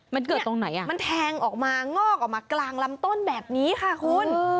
มันเกิดตรงไหนอ่ะมันแทงออกมางอกออกมากลางลำต้นแบบนี้ค่ะคุณ